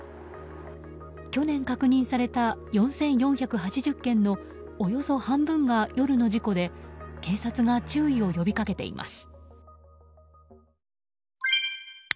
去年、確認された４４８０件のおよそ半分が夜の事故で警察が注意を呼びかけています。